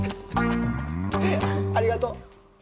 ありがとう！